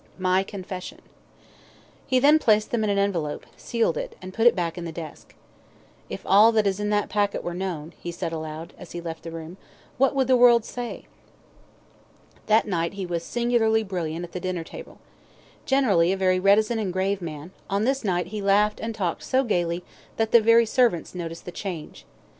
"My Confession." He then placed them in an envelope, sealed it, and put it back in the desk. "If all that is in that packet were known," he said aloud, as he left the room, "what would the world say?" That night he was singularly brilliant at the dinner table. Generally a very reticent and grave man, on this night he laughed and talked so gaily that the very servants noticed the change.